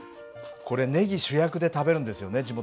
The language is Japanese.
これネギ主役で食べるんですよね